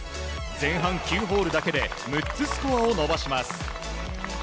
前半９ホールだけで６つスコアを伸ばします。